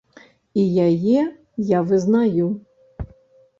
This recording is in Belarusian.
І яе я вызнаю.